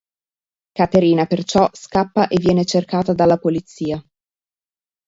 Caterina perciò scappa e viene cercata dalla polizia.